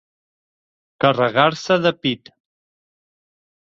Carregar-se de pit.